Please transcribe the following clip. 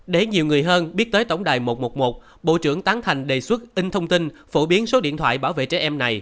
để nhiều người hơn biết tới tổng đài một trăm một mươi một bộ trưởng tán thành đề xuất in thông tin phổ biến số điện thoại bảo vệ trẻ em này